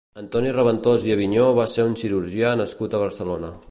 Antoni Raventós i Aviñó va ser un cirurgià nascut a Barcelona.